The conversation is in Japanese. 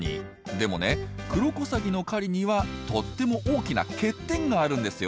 でもねクロコサギの狩りにはとっても大きな欠点があるんですよ。